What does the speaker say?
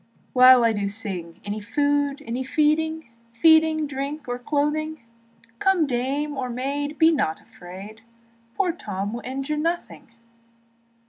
While I do sing, Any food, any feeding, Feeding, drink, or clothing; Come dame or maid, be not afraid, Poor Tom will injure nothing.